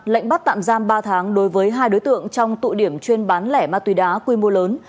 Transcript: lệnh bắt tạm giam ba tháng đối với hai đối tượng trong tụ điểm chuyên bán lẻ ma túy đá quy mô lớn